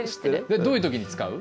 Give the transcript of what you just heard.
どういう時に使う？